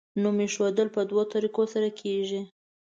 نوم ایښودل په دوو طریقو سره کیږي.